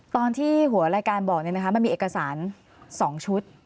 ตอนที่หัวรายการบอกมันมีเอกสาร๒ชุด